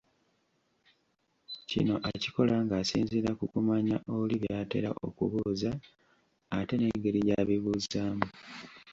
Kino akikola ng'asinziira ku kumanya oli by'atera okubuuza, ate n'engeri gy'abibuuzaamu.